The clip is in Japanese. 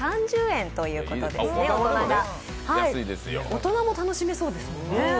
大人も楽しめそうですね。